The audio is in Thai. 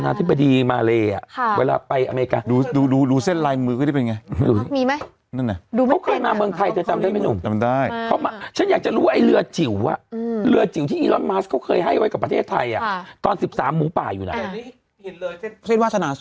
นี่เห็นเลยเส้นเส้นวาสนาสูงมากจริงเหรอใช่ดูตรงไหนว่าเส้นวาสนา